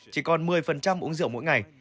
chỉ còn một mươi uống rượu mỗi ngày